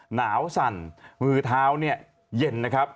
หนาวสั่นมือเท้าเนี่ยเย็นนะครับ